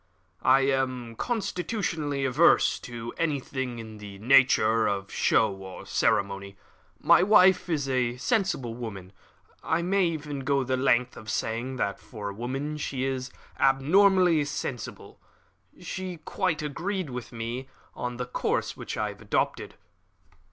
"I am constitutionally averse to anything in the nature of show or ceremony. My wife is a sensible woman I may even go the length of saying that, for a woman, she is abnormally sensible. She quite agreed with me in the course which I have adopted."